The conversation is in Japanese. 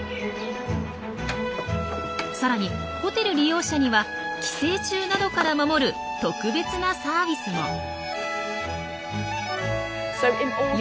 さらにホテル利用者には寄生虫などから守る特別なサービスも。